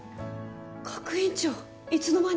学院長いつの間に？